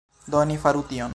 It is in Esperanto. Do, ni faru tion!